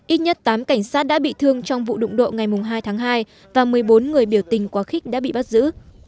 ít nhất tám cảnh sát đã bị thương trong vụ đụng độ ngày hai tháng hai và một mươi bốn người biểu tình quá khích đã bị bắt giữ